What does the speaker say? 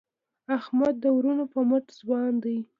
احمد د وروڼو په مټ ځوان دی.